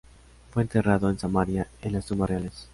Fue enterrado en Samaria, en las tumbas reales.